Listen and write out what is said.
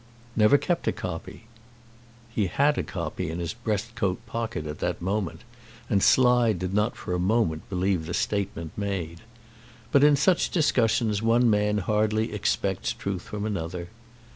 "Never kept a copy." He had a copy in his breast coat pocket at that moment, and Slide did not for a moment believe the statement made. But in such discussions one man hardly expects truth from another.